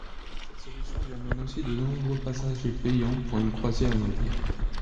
Cette solution lui amène aussi de nombreux passagers payant pour une croisière immobile.